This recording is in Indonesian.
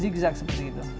zigzag seperti itu